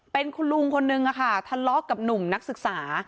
เป็นคุณลุงคนนึงค่ะทะเลาะกับหนุ่มนักศึกษา